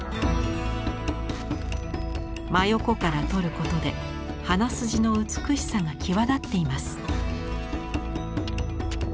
真横から撮ることで鼻筋の美しさが際立っています。